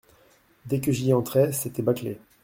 Dès que j’y entrais, c’était bâclé…